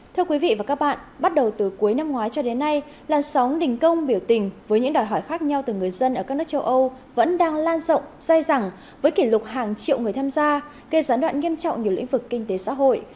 thưa quý vị và các bạn bắt đầu từ cuối năm ngoái cho đến nay làn sóng đình công biểu tình với những đòi hỏi khác nhau từ người dân ở các nước châu âu vẫn đang lan rộng dai dẳng với kỷ lục hàng triệu người tham gia gây gián đoạn nghiêm trọng nhiều lĩnh vực kinh tế xã hội